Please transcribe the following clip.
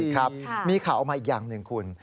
ครับมีข่าวออกมาอีกอย่างหนึ่งคุณ